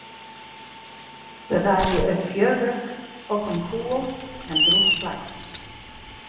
Bewarje it fjurwurk op in koel en drûch plak.